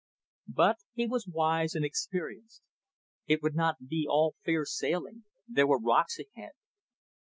But he was wise and experienced. It would not be all fair sailing, there were rocks ahead.